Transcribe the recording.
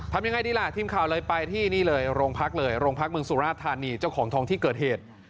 ทำยังไงดีล่ะทีมข่าวเลยไปที่นี่เลยโรงพักเลยโรงพักเมืองสุราธานีเจ้าของทองที่เกิดเหตุ